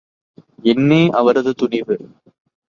என்னே அவரது துணிவு.!